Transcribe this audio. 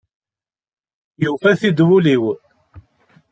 Yufa-t-id wul-iw.